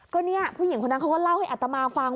ก็เนี่ยผู้หญิงคนนั้นเขาก็เล่าให้อัตมาฟัง